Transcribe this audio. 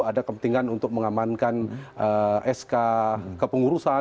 ada kepentingan untuk mengamankan sk kepengurusan